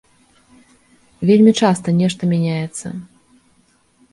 Вельмі часта нешта мяняецца.